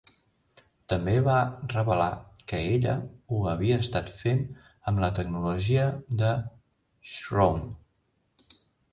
També va revelar que ella ho havia estat fent amb la tecnologia de Shroud.